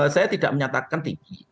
saya tidak menyatakan tinggi